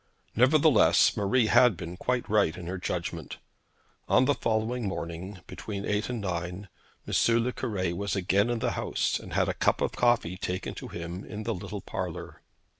Nevertheless Marie had been quite right in her judgment. On the following morning, between eight and nine, M. le Cure was again in the house, and had a cup of coffee taken to him in the little parlour.